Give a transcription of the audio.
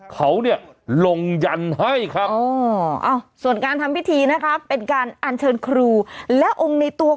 ฮ่าฮ่าฮ่าฮ่าฮ่าฮ่าฮ่าฮ่าฮ่าฮ่าฮ่าฮ่าฮ่าฮ่า